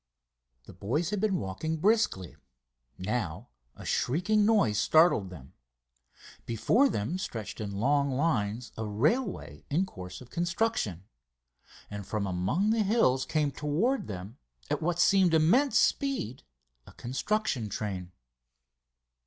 The boys had been walking briskly. Now a shrieking noise startled them. Before them stretched in long lines a railway in course of construction, and from among the hills came toward them, at what seemed immense speed, a construction train.